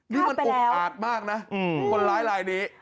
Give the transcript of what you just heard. นี่มันอุกอาจมากนะคนร้ายลายนี้